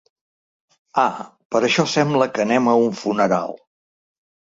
Ah, per això sembla que anem a un funeral!